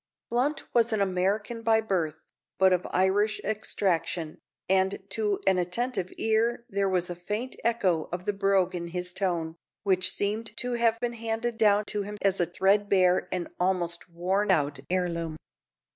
Blunt was an American by birth, but of Irish extraction, and to an attentive ear there was a faint echo of the brogue in his tone, which seemed to have been handed down to him as a threadbare and almost worn out heirloom.